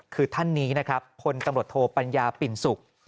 คือท่านนี้นะครับพลตำรวจโทปัญญาปิ่นสุข